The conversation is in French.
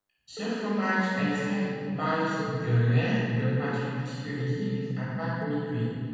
Ce fromage est fait à base de lait de vache pasteurisé, à pâte mi-cuite.